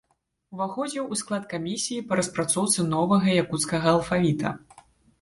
Уваходзіў у склад камісіі па распрацоўцы новага якуцкага алфавіта.